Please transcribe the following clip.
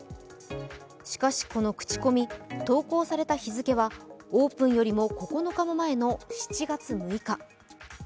しかしこの口コミ、投稿された日付はオープンよりも９日も前の７月６日。